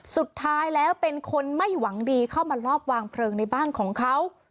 สุดท้ายแล้วเป็นคนไม่หวังดีเข้ามาลอบวางเพลิงในบ้านของเขา